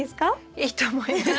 いいと思います。